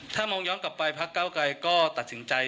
ถ้ามองย้อนกลับไปพักเก้าไกรก็ตัดสินใจ